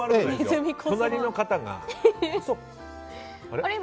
隣の方が。